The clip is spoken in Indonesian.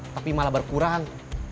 tapi malah berkurang